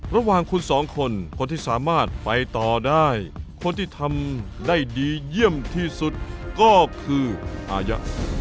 ระหว่างคุณสองคนคนที่สามารถไปต่อได้คนที่ทำได้ดีเยี่ยมที่สุดก็คืออายะ